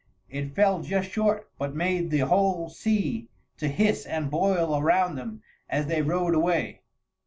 It fell just short, but made the whole sea to hiss and boil around them as they rowed away.